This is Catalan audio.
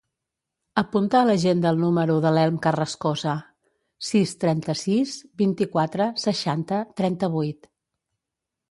Apunta a l'agenda el número de l'Elm Carrascosa: sis, trenta-sis, vint-i-quatre, seixanta, trenta-vuit.